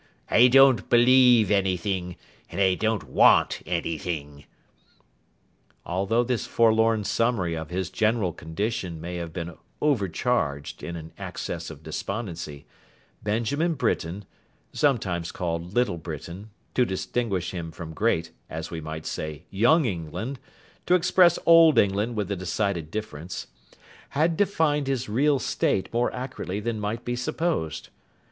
I don't believe anything. And I don't want anything.' Although this forlorn summary of his general condition may have been overcharged in an access of despondency, Benjamin Britain—sometimes called Little Britain, to distinguish him from Great; as we might say Young England, to express Old England with a decided difference—had defined his real state more accurately than might be supposed.